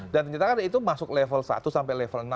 dan ternyata kan itu masuk level satu sampai level enam